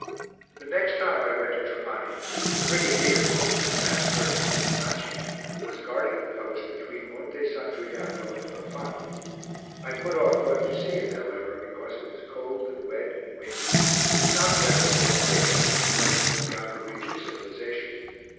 The next time I went to Trapani the brigadier, who had been transferred to Custonaci, was guarding the coast between Monte San Giuliano and Cofano; I put off going to see him, however, because it was cold and wet and windy, not weather for excursions into places beyond the reach of civilization.